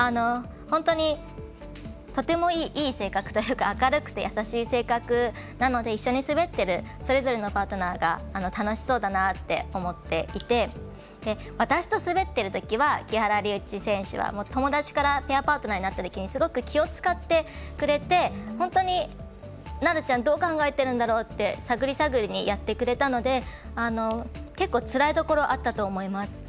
本当に、とてもいい性格というか明るくて優しい性格なので一緒に滑ってるそれぞれのパートナーが楽しそうだなって思っていて私と滑っているときは木原龍一選手は友達からペアパートナーになったときにすごく気を使ってくれて本当に、なるちゃんどう考えてるんだろうって探り探りにやってくれたので結構、つらいところあったと思います。